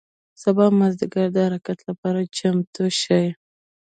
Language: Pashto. سبا مازدیګر د حرکت له پاره چمتو شئ.